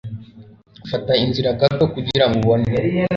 fata inzira gato kugirango ubone